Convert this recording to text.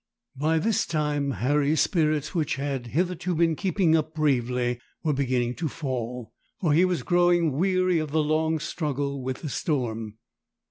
By this time Harry's spirits, which had hitherto been keeping up bravely, were beginning to fall, for he was growing weary of the long struggle with the storm.